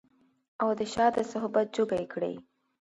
او د شاه د صحبت جوګه يې کړي